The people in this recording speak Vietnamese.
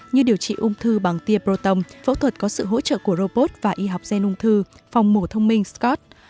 như điều trị ung thư bằng tia proton phẫu thuật có sự hỗ trợ của robot và y học gen ung thư phòng mổ thông minh scott